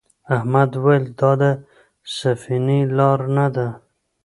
احمد وویل دا د سفینې لار نه ده.